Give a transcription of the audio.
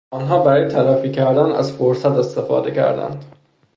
آنها برای تلافی کردن از فرصت استفاده کردند.